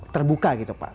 terbuka gitu pak